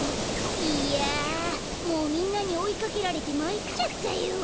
いやもうみんなにおいかけられてまいっちゃったよ。